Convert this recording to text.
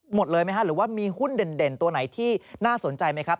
หมดเลยไหมฮะหรือว่ามีหุ้นเด่นตัวไหนที่น่าสนใจไหมครับ